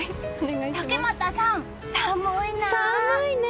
竹俣さん、寒いな。